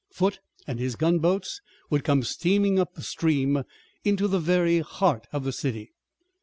Foote and his gunboats would come steaming up the stream into the very heart of the city.